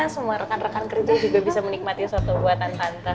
semua rekan rekan kerja juga bisa menikmati soto buatan santer